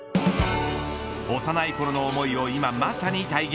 幼いころの思いを今まさに体現。